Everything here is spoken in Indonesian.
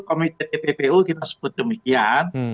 komite tppu kita sebut demikian